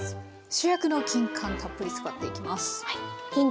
主役のきんかんたっぷり使っていきます。